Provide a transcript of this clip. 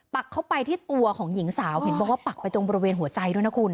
เข้าไปที่ตัวของหญิงสาวเห็นบอกว่าปักไปตรงบริเวณหัวใจด้วยนะคุณ